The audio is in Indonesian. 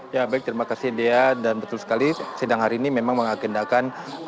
ya baik terima kasih dea dan betul sekali sidang hari ini memang mengagendakan